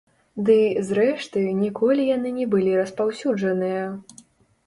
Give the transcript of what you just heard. Дый, зрэшты, ніколі яны не былі распаўсюджаныя.